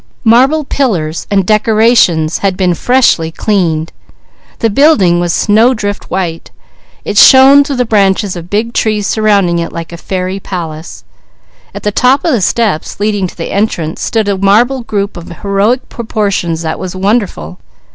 Marble pillars and decorations had been freshly cleaned, the building was snowdrift white; it shone through the branches of big trees surrounding it like a fairy palace. At the top of the steps leading to the entrance stood a marble group of heroic proportions that was wonderful.